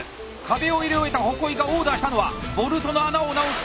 壁を入れ終えた鉾井がオーダーしたのはボルトの穴を直す